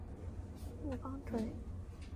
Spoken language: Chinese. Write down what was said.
葵芳邨。